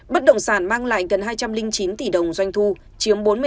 bất động sản mang lại gần hai trăm linh chín tỷ đồng doanh thu chiếm bốn mươi tám